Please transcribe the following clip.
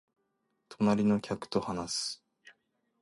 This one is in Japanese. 隣の客と話す